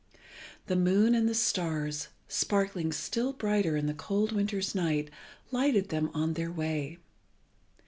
The moon and the stars, sparkling still brighter in the cold winter's night, lighted them on their way.